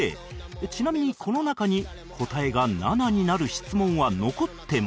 ちなみにこの中に答えが７になる質問は残ってます